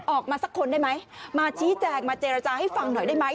ออกมาสักคนได้ไหมมาชี้แจงมาเจรจาให้ฟังหน่อยได้ไหม